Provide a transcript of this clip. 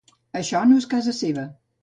Això no és casa seva